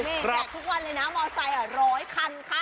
พี่แจกทุกวันเลยนะมอเตอร์ไซค์๑๐๐คันค่ะ